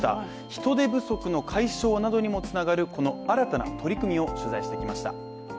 人手不足の解消などにもつながるこの新たな取り組みを取材してきました。